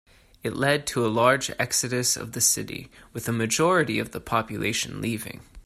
It led to a large exodus of the city, with a majority of the population leaving.